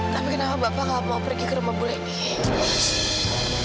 tapi kenapa bapak nggak mau pergi ke rumah bu leni